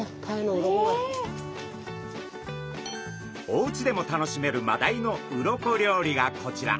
おうちでも楽しめるマダイの鱗料理がこちら。